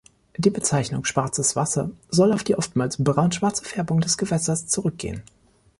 Die Bezeichnung „Schwarzes Wasser“ soll auf die oftmals braunschwarze Färbung des Gewässers zurückgehen.